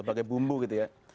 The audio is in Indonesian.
sebagai bumbu gitu ya